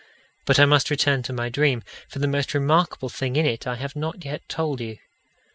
But I must return to my dream; for the most remarkable thing in it I have not yet told you.